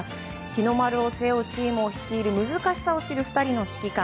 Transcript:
日の丸を背負うチームを率いる難しさを知る２人の指揮官。